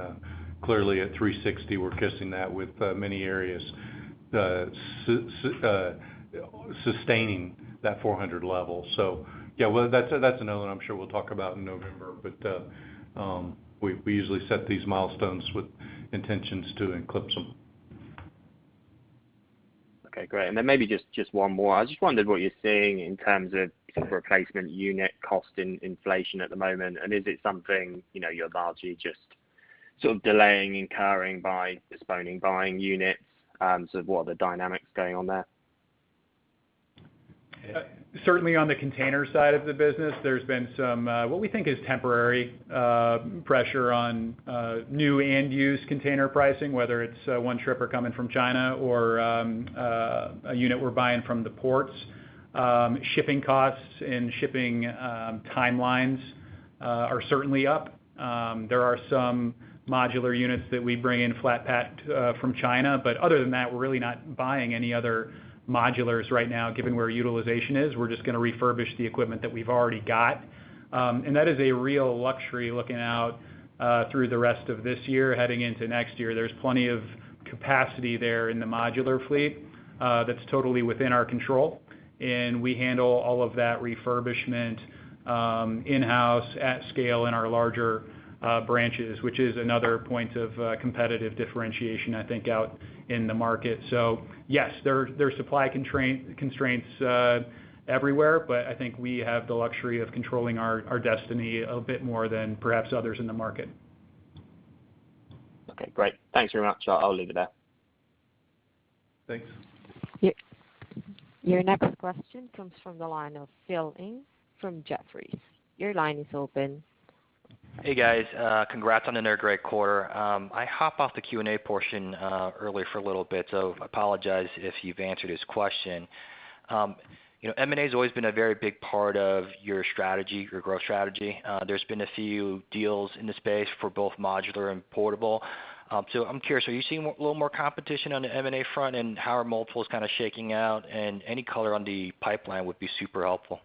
clearly at 360, we're kissing that with many areas sustaining that 400 level. Yeah, that's another one I'm sure we'll talk about in November, but we usually set these milestones with intentions to eclipse them. Okay, great. Maybe just one more. I just wondered what you're seeing in terms of sort of replacement unit cost in inflation at the moment, and is it something you're about to just sort of delaying incurring by postponing buying units? Sort of what are the dynamics going on there? Certainly on the container side of the business, there's been some, what we think is temporary pressure on new and used container pricing, whether it's one trip or coming from China or a unit we're buying from the ports. Shipping costs and shipping timelines are certainly up. There are some modular units that we bring in flat pack from China. Other than that, we're really not buying any other modulars right now, given where utilization is. We're just going to refurbish the equipment that we've already got. That is a real luxury looking out through the rest of this year, heading into next year. There's plenty of capacity there in the modular fleet that's totally within our control, and we handle all of that refurbishment in-house at scale in our larger branches, which is another point of competitive differentiation, I think, out in the market. Yes, there are supply constraints everywhere, but I think we have the luxury of controlling our destiny a bit more than perhaps others in the market. Okay, great. Thanks very much. I'll leave it there. Thanks. Your next question comes from the line of Philip Ng from Jefferies. Your line is open. Hey, guys. Congrats on another great quarter. I hop off the Q&A portion earlier for a little bit, so apologize if you've answered this question. M&A's always been a very big part of your growth strategy. There's been a few deals in the space for both modular and portable. I'm curious, are you seeing a little more competition on the M&A front, and how are multiples kind of shaking out, and any color on the pipeline would be super helpful?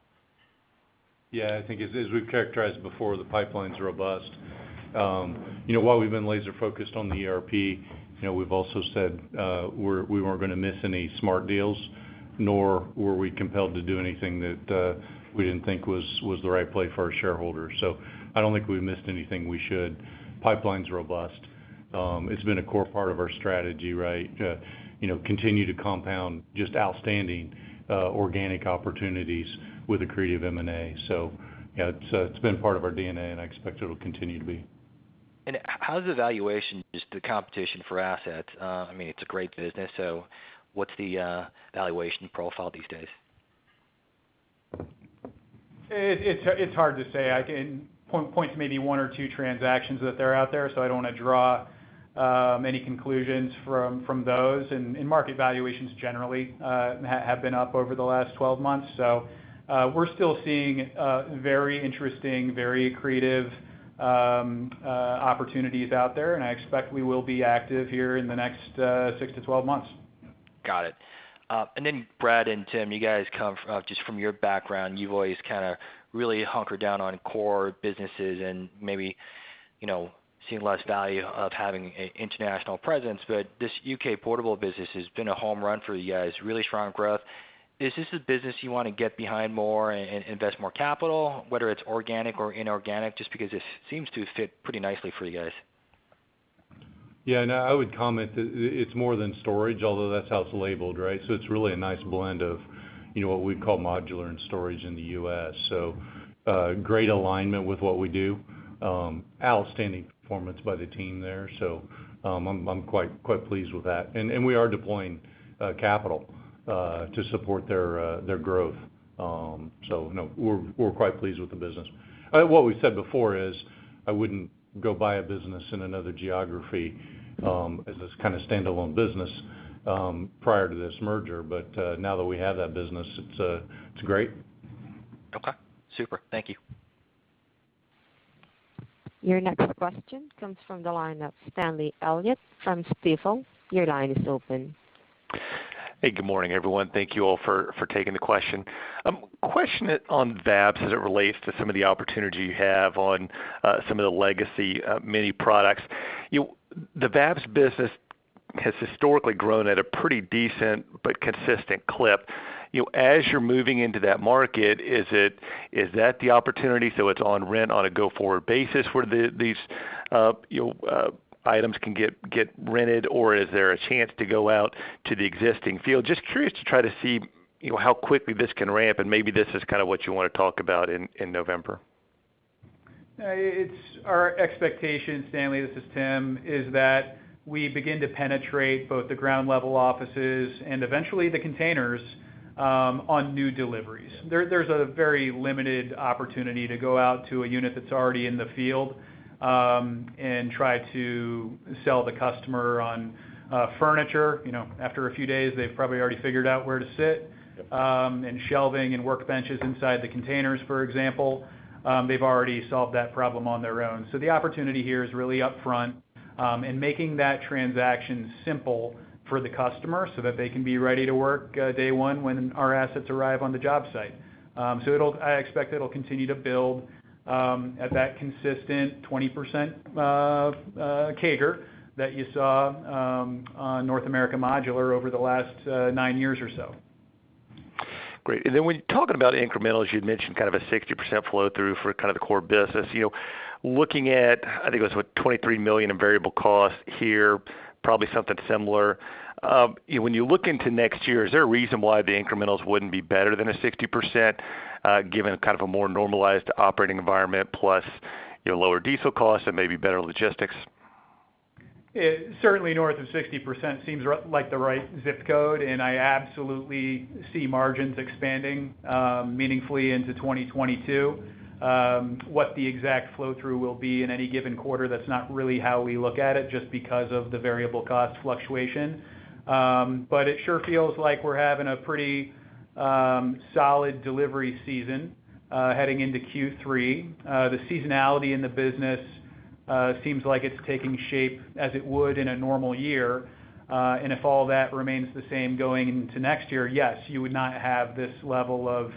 Yeah, I think as we've characterized before, the pipeline's robust. While we've been laser-focused on the ERP, we've also said we weren't going to miss any smart deals, nor were we compelled to do anything that we didn't think was the right play for our shareholders. I don't think we missed anything we should. Pipeline's robust. It's been a core part of our strategy. Continue to compound just outstanding organic opportunities with accretive M&A. Yeah, it's been part of our DNA, and I expect it'll continue to be. How's the valuation, just the competition for assets? It's a great business, so what's the valuation profile these days? It's hard to say. I can point to maybe one or two transactions that are out there. I don't want to draw any conclusions from those. Market valuations generally have been up over the last 12 months. We're still seeing very interesting, very accretive opportunities out there, and I expect we will be active here in the next 6 to 12 months. Got it. Brad and Tim, you guys come, just from your background, you've always kind of really hunkered down on core businesses and maybe seen less value of having an international presence. This U.K. portable business has been a home run for you guys, really strong growth. Is this a business you want to get behind more and invest more capital, whether it's organic or inorganic, just because it seems to fit pretty nicely for you guys? Yeah, no, I would comment that it's more than storage, although that's how it's labeled. It's really a nice blend of what we'd call modular and storage in the U.S. Great alignment with what we do. Outstanding performance by the team there, so I'm quite pleased with that. We are deploying capital to support their growth. No, we're quite pleased with the business. What we've said before is I wouldn't go buy a business in another geography as this kind of standalone business prior to this merger, but now that we have that business, it's great. Okay, super. Thank you. Your next question comes from the line of Stanley Elliott from Stifel. Your line is open. Hey, good morning, everyone. Thank you all for taking the question. Question on VAPS as it relates to some of the opportunity you have on some of the legacy Mobile Mini products. The VAPS business has historically grown at a pretty decent but consistent clip. As you're moving into that market, is that the opportunity so it's on rent on a go-forward basis where these items can get rented, or is there a chance to go out to the existing field? Just curious to try to see how quickly this can ramp, maybe this is kind of what you want to talk about in November. It's our expectation, Stanley, this is Tim, is that we begin to penetrate both the Ground Level Offices and eventually the containers on new deliveries. There's a very limited opportunity to go out to a unit that's already in the field and try to sell the customer on furniture. After a few days, they've probably already figured out where to sit. Shelving and workbenches inside the containers, for example, they've already solved that problem on their own. The opportunity here is really upfront. Making that transaction simple for the customer so that they can be ready to work day 1 when our assets arrive on the job site. I expect it'll continue to build at that consistent 20% CAGR that you saw on North America Modular over the last nine years or so. Great. When talking about incrementals, you'd mentioned a 60% flow through for the core business. Looking at, I think it was what, $23 million in variable cost here, probably something similar. When you look into next year, is there a reason why the incrementals wouldn't be better than a 60%, given a more normalized operating environment plus your lower diesel costs and maybe better logistics? Certainly north of 60% seems like the right zip code, and I absolutely see margins expanding meaningfully into 2022. What the exact flow through will be in any given quarter, that's not really how we look at it just because of the variable cost fluctuation. It sure feels like we're having a pretty solid delivery season heading into Q3. The seasonality in the business seems like it's taking shape as it would in a normal year. If all that remains the same going into next year, yes, you would not have this level of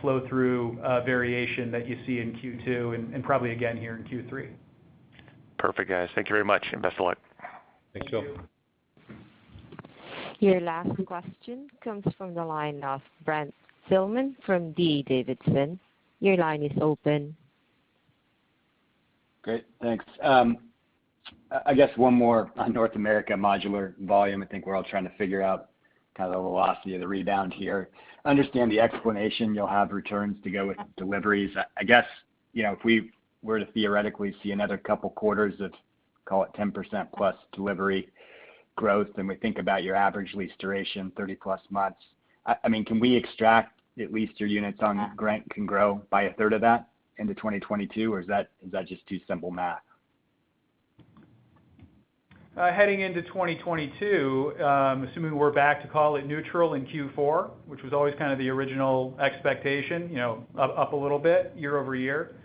flow through variation that you see in Q2 and probably again here in Q3. Perfect, guys. Thank you very much, and best of luck. Thank you. Thank you. Your last question comes from the line of Brent Thielman from D.A. Davidson. Great, thanks. I guess one more on North America Modular volume. I think we're all trying to figure out the velocity of the rebound here. Understand the explanation you'll have returns to go with deliveries. I guess, if we were to theoretically see another couple quarters of, call it, 10%+ delivery growth, and we think about your average lease duration, 30+ months. Can we extract at least your units on rent can grow by a third of that into 2022, or is that just too simple math? Heading into 2022, assuming we're back to, call it, neutral in Q4, which was always kind of the original expectation. Up a little bit year-over-year.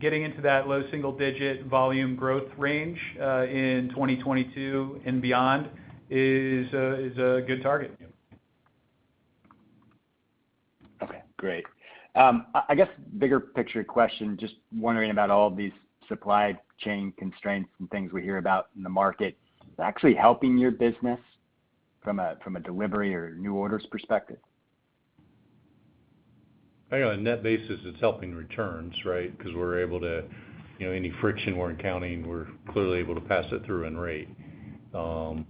Getting into that low single-digit volume growth range in 2022 and beyond is a good target. Okay, great. I guess, bigger picture question, just wondering about all these supply chain constraints and things we hear about in the market. Is it actually helping your business from a delivery or new orders perspective? I know on a net basis, it's helping returns, right? Any friction we're encountering, we're clearly able to pass it through in rate. They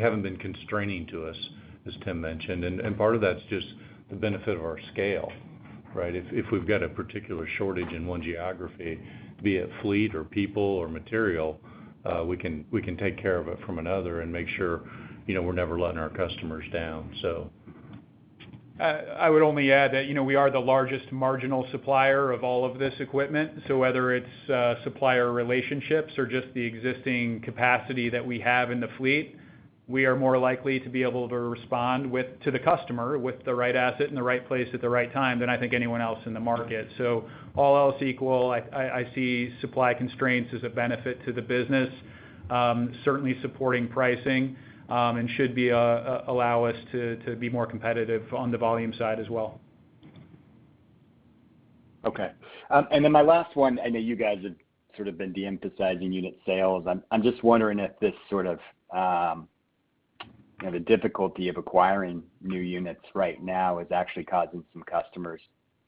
haven't been constraining to us, as Tim mentioned, and part of that's just the benefit of our scale, right? If we've got a particular shortage in one geography, be it fleet or people or material, we can take care of it from another and make sure we're never letting our customers down. I would only add that we are the largest marginal supplier of all of this equipment. Whether it's supplier relationships or just the existing capacity that we have in the fleet, we are more likely to be able to respond to the customer with the right asset in the right place at the right time than I think anyone else in the market. All else equal, I see supply constraints as a benefit to the business, certainly supporting pricing, and should allow us to be more competitive on the volume side as well. Okay. My last one, I know you guys have been de-emphasizing unit sales. I am just wondering if this difficulty of acquiring new units right now is actually causing some customers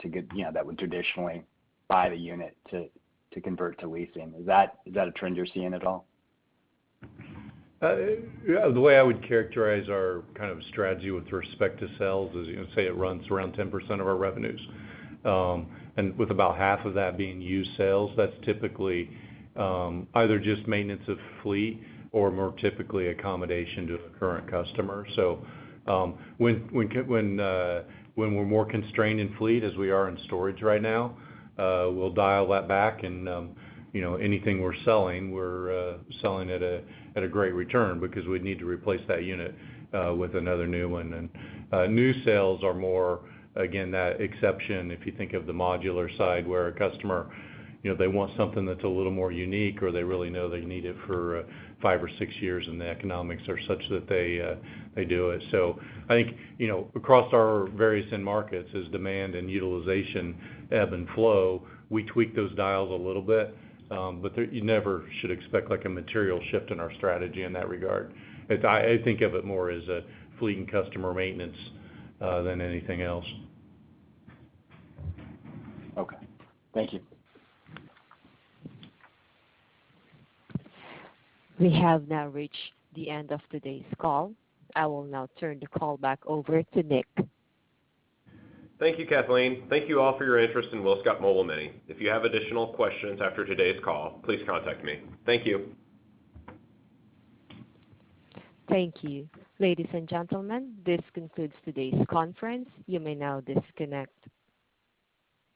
that would traditionally buy the unit to convert to leasing. Is that a trend you are seeing at all? The way I would characterize our kind of strategy with respect to sales is, say it runs around 10% of our revenues. With about half of that being used sales, that's typically either just maintenance of fleet or more typically accommodation to a current customer. When we're more constrained in fleet as we are in storage right now, we'll dial that back and anything we're selling, we're selling at a great return because we need to replace that unit with another new one. New sales are more, again, that exception, if you think of the modular side, where a customer, they want something that's a little more unique, or they really know they need it for five or six years, and the economics are such that they do it. I think, across our various end markets, as demand and utilization ebb and flow, we tweak those dials a little bit. You never should expect a material shift in our strategy in that regard. I think of it more as a fleet and customer maintenance than anything else. Okay. Thank you. We have now reached the end of today's call. I will now turn the call back over to Nick. Thank you, Kathleen. Thank you all for your interest in WillScot Mobile Mini. If you have additional questions after today's call, please contact me. Thank you. Thank you. Ladies and gentlemen, this concludes today's conference. You may now disconnect.